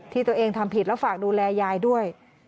ที่ตัวเองทำผิดและฝากดูแลยายด้วย